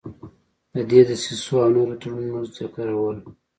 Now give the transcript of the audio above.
د دې دسیسو او نورو تړونونو ذکرول.